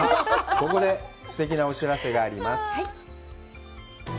ここですてきなお知らせがあります。